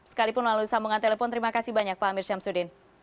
sekalipun melalui sambungan telepon terima kasih banyak pak amir syamsuddin